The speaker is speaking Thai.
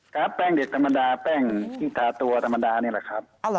แป้งเด็กธรรมดาแป้งที่ทาตัวธรรมดานี่แหละครับ